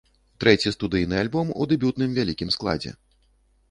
Трэці студыйны альбом у дэбютным вялікім складзе.